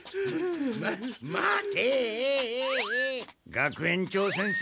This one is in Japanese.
学園長先生。